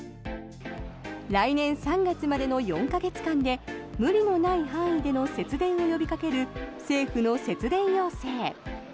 来年３月までの４か月間で無理のない範囲での節電を呼びかける政府の節電要請。